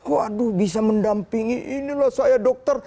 waduh bisa mendampingi inilah saya dokter